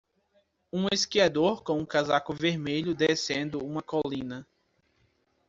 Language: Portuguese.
Um esquiador com um casaco vermelho descendo uma colina.